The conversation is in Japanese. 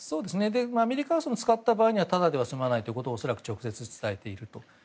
アメリカは使った場合にはただでは済まないというのを恐らく、直接伝えていると。